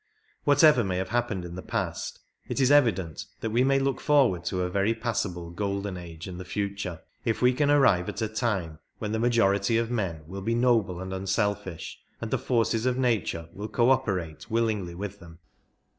Whatever may have happened in the past, it is evident that we may look forward to a very passable "golden age'' in the future, if we can arrive at a time when the majority of men will be noble and unselfish, and the forces of nature will co operate willingly with them.